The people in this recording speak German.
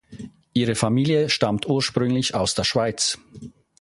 Ihre Familie stammt ursprünglich aus der Schweiz.